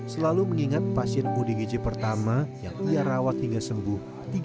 selalu mengingat pasien odgj pertama yang ia rawat hingga sembuh